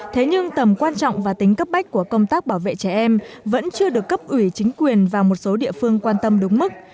thế nhưng tầm quan trọng và tính cấp bách của công tác bảo vệ trẻ em vẫn chưa được cấp ủy chính quyền và một số địa phương quan tâm đúng mức